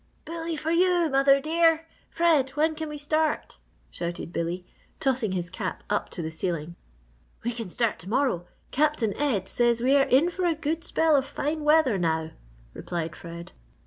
"Bully for you, mother dear! Fred, when can we start!" shouted Billy, tossing his cap up to the ceiling. "We can start to morrow; Captain Ed says we are in for a good spell of fine weather now," replied Fred.